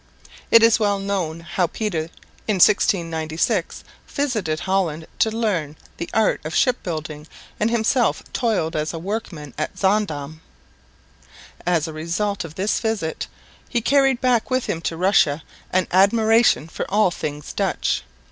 It is well known how Peter in 1696 visited Holland to learn the art of ship building and himself toiled as a workman at Zaandam. As a result of this visit he carried back with him to Russia an admiration for all things Dutch.